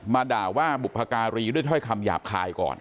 ด่าว่าบุพการีด้วยถ้อยคำหยาบคายก่อน